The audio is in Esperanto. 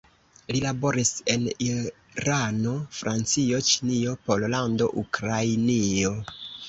Li laboris en Irano, Francio, Ĉinio, Pollando, Ukrainio.